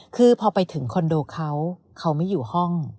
คือพอไปถึงคอนโดเขาเขาไม่อยู่ห้อง